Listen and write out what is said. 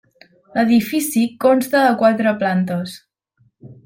L'edifici consta de quatre plantes.